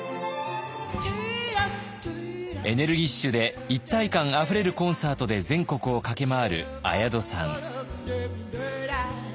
エネルギッシュで一体感あふれるコンサートで全国を駆け回る綾戸さん。